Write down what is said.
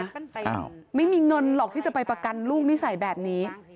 ตั้งใจอ้าวไม่มีเงินหรอกที่จะไปประกันลูกนิสัยแบบนี้